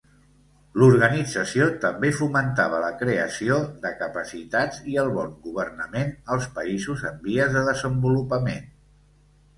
L'organització també fomentava la creació de capacitats i el bon governament als països en vies de desenvolupament.